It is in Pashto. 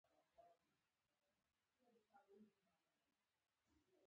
دواړو مېلمستیاوو ته د تګ تیاری ونیو.